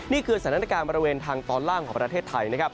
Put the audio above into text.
นี่คือสถานการณ์บริเวณทางตอนล่างของประเทศไทยนะครับ